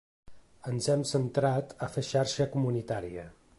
Ens hem centrat a fer xarxa comunitària.